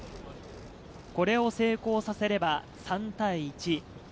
これを成功させれば、３対１。